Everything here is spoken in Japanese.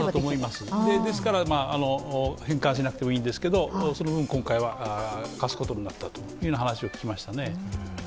ですから、返還しなくてもいいんですけどその分、今回は貸すことになったという話を聞きました。